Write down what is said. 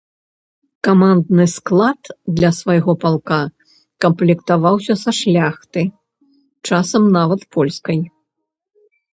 Камандны склад для свайго палка камплектаваўся са шляхты, часам нават польскай.